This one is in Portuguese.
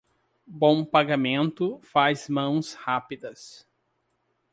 Bom pagamento faz mãos rápidas.